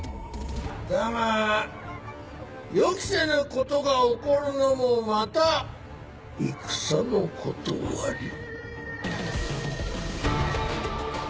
だが予期せぬことが起こるのもまた戦の理。